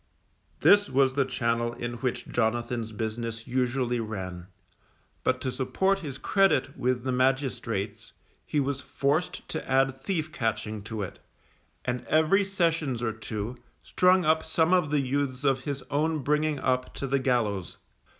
This was the channel in which Jonathan's business usually ran, but to support his credit with the magistrates, he was forced to add thief catching to it, and every sessions or two, strung up some of the youths of his own bringing up to the gallows.